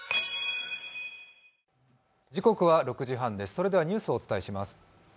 それではニュースをお伝えします。